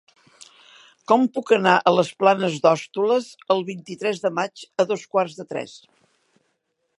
Com puc anar a les Planes d'Hostoles el vint-i-tres de maig a dos quarts de tres?